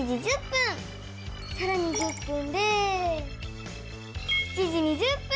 さらに１０分で７時２０分！